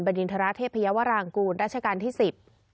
บรรยีนราชเทพยาวรางกูลราชการที่๑๐